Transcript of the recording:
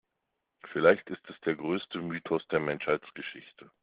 Vielleicht ist es der größte Mythos der Menschheitsgeschichte.